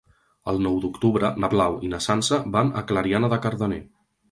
El nou d'octubre na Blau i na Sança van a Clariana de Cardener.